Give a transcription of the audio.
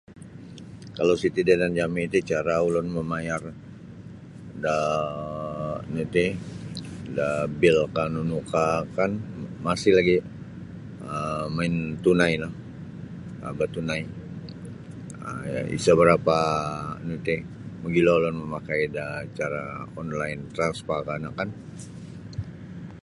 Kalau siti da yanan jami ti cara ulun mamayar da nu ti da bil ka nunu kah kan masih lagi um main tunai no um batunai um isa barapa nu ti magilo ulun mamakai da cara online transfer no kan.